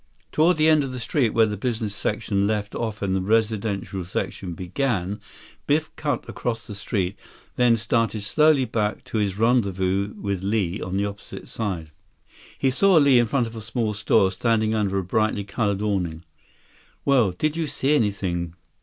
Toward the end of the street, where the business section left off and the residential section began, Biff cut across the street, then started slowly back to his rendezvous with Li on the opposite side. He saw Li in front of a small store, standing under a brightly colored awning. "Well, did you see anything?"